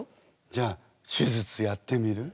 じゃあ手術やってみる？